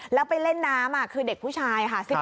แล้วไปเล่นน้ำคือเด็กผู้ชายค่ะ